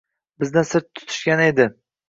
Bizdan sir tutishgani edi.